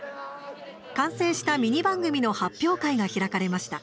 完成したミニ番組の発表会が開かれました。